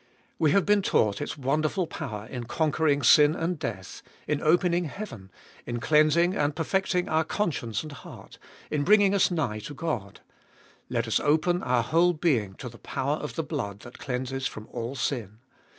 We have been taught its wonderful power in conquering sin and death, in opening heaven, in cleansing and perfecting our conscience and heart, and bringing us nigh to God ; let us open our whole being to the power of the blood that cleanses from all sin.